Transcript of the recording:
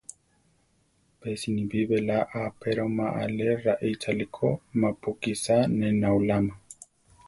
Pe sinibí belá a apéroma alé raʼíchali ko ma-pu kisá ne náulama.